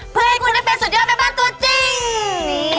เพื่อให้คุณได้เป็นสุดยอดแม่บ้านตัวจริง